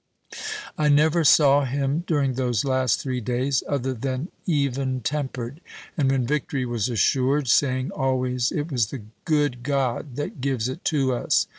"I never saw him [during those last three days] other than even tempered; and when victory was assured, saying always it was the good God that gives it to us.